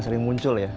sering muncul ya